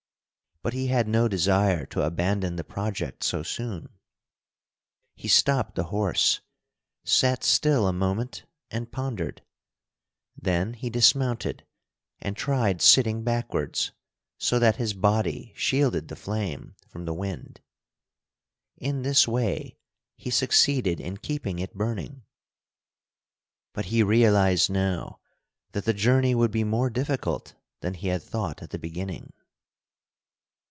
But he had no desire to abandon the project so soon. He stopped the horse, sat still a moment, and pondered. Then he dismounted and tried sitting backwards, so that his body shielded the flame from the wind. In this way he succeeded in keeping it burning; but he realized now that the journey would be more difficult than he had thought at the beginning.